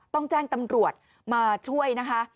ต้องแจ้งตำรวจมาช่วยนะคะ